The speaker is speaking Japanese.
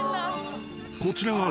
［こちらは］